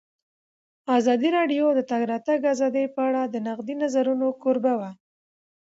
ازادي راډیو د د تګ راتګ ازادي په اړه د نقدي نظرونو کوربه وه.